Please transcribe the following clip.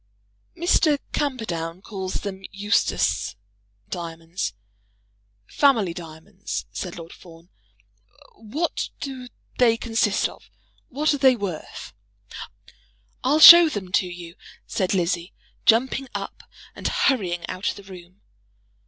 "Mr. Camperdown calls them Eustace diamonds, family diamonds," said Lord Fawn. "What do they consist of? What are they worth?" "I'll show them to you," said Lizzie, jumping up and hurrying out of the room.